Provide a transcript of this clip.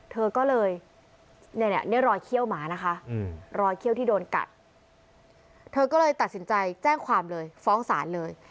เธอก็เลยเนี่ยนี่รอยเขี้ยวหมานะคะรอยเขี้ยวที่โดนกัดเธอก็เลยตัดสินใจแจ้งความเลยฟ้องศาลเลย